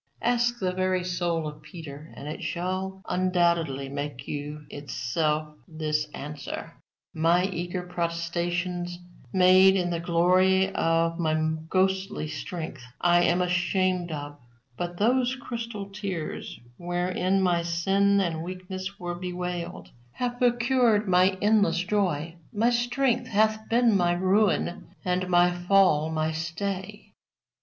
Ask the very soul of Peter, and it shall undoubtedly make you itself this answer: My eager protestations, made in the glory of my ghostly strength, I am ashamed of; but those crystal tears, wherewith my sin and weakness were bewailed, have procured my endless joy: my strength hath been my ruin, and my fall my stay."